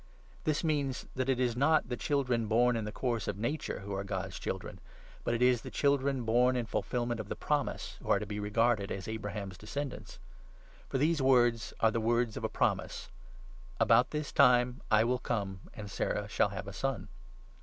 This means that it is not the children born in the course 8 of nature who are God's Children, but it is the children born in fulfilment of the Promise who are to be regarded as Abraham's descendants. For these words are the words of a 9 promise —' About this time I will come, and Sarah shall have a son.'